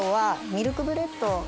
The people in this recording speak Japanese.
ミルクブレッド。